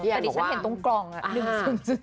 เดียวฉันเห็นครึ่งตรงกรองคุ้มหนึ่งสุด